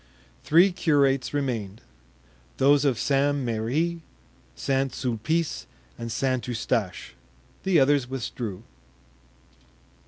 Three curates remained—those of St. Merri, St. Sulpice and St. Eustache. The others withdrew.